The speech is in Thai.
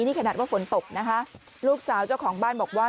นี่ขนาดว่าฝนตกนะคะลูกสาวเจ้าของบ้านบอกว่า